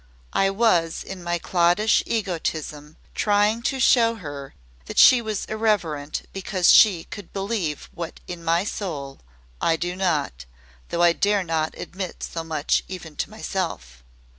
I was in my cloddish egotism trying to show her that she was irreverent BECAUSE she could believe what in my soul I do not, though I dare not admit so much even to myself.